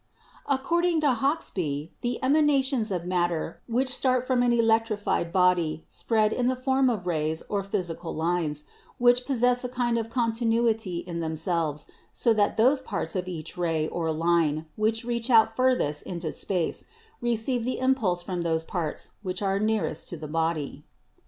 According to Hauksbee, the emanations of matter which start from an electrified body spread in the form of rays or physical lines, which possess a kind of continuity in themselves so that those parts of each ray or line which reach out furthest into space receive the impulse from those parts which are nearest to the body.